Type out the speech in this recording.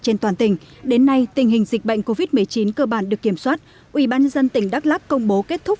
trên toàn tỉnh đến nay tình hình dịch bệnh covid một mươi chín cơ bản được kiểm soát ubnd tỉnh đắk lắc công bố kết thúc